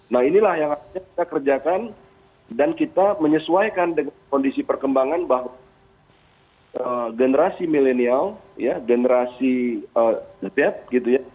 nah inilah yang harusnya kita kerjakan dan kita menyesuaikan dengan kondisi perkembangan bahwa generasi milenial ya generasi net gitu ya